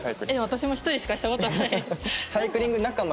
私も１人でしかした事ない。